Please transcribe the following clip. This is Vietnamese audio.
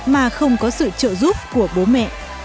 mà không có sự trợ giúp của bố mẹ